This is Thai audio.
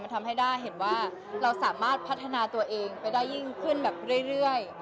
ทำให้ด้าเห็นว่าเราสามารถพัฒนาตัวเองไปได้ยิ่งขึ้นแบบเรื่อย